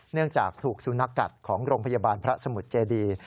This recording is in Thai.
เนื่องจากถูกสุนัขกัดของโรงพยาบาลพระสมุทรเจดี